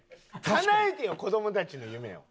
かなえてよ子どもたちの夢を。